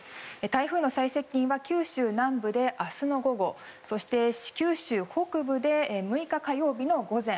台風の最接近は九州南部で明日の午後九州北部で６日火曜日の午前